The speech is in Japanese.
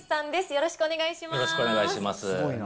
よろしくお願いします。